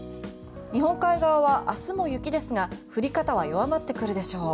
日本海側は明日も雪ですが降り方は弱まってくるでしょう。